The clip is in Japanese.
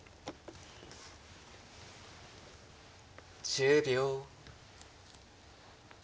１０秒。